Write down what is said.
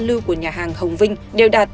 lưu của nhà hàng hồng vinh đều đạt